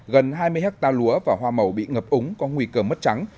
gần hai mươi hectare lúa và hoa màu bị ngập úng có nguy cơ mất trắng